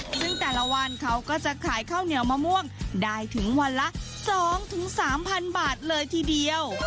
ซึ่งแต่ละวันเขาก็จะขายข้าวเหนียวมะม่วงได้ถึงวันละ๒๓๐๐บาทเลยทีเดียว